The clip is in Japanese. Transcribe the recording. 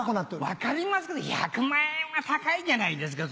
分かりますけど１００万円は高いんじゃないですか？